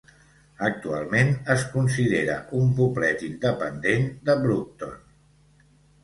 Actualment, es considera un poblet independent de Broughton.